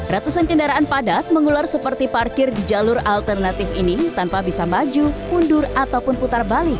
ratusan kendaraan padat mengular seperti parkir di jalur alternatif ini tanpa bisa maju mundur ataupun putar balik